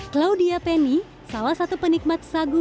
claudia penny salah satu penikmat sagu